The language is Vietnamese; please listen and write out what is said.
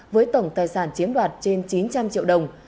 với tổng tài sản chiếm đoạt trên chín trăm linh triệu đồng